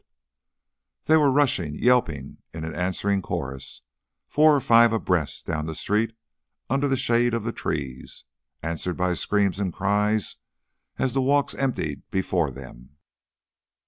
Then they were rushing, yelping in an answering chorus, four and five abreast, down the street under the shade of the trees, answered by screams and cries as the walks emptied before them.